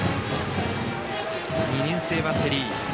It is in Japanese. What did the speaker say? ２年生バッテリー。